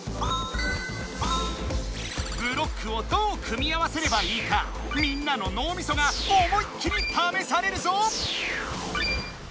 ブロックをどう組み合わせればいいかみんなののうみそが思いっきりためされるぞ！